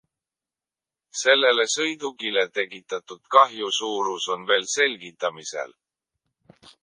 Sellele sõidukile tekitatud kahju suurus on veel selgitamisel.